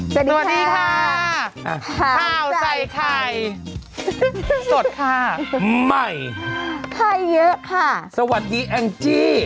สวัสดีค่ะข้าวใส่ไข่สดค่ะใหม่ให้เยอะค่ะสวัสดีแองจี้